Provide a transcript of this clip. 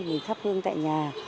mình thắp hương tại nhà